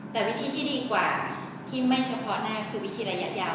แต่วิธีที่ดีกว่าที่ไม่เฉพาะหน้าคือวิธีระยะยาว